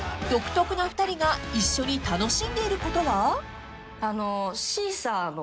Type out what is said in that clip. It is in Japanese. ［独特な２人が一緒に楽しんでいることは？］